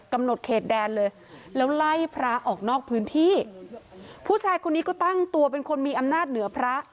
เขตแดนเลยแล้วไล่พระออกนอกพื้นที่ผู้ชายคนนี้ก็ตั้งตัวเป็นคนมีอำนาจเหนือพระ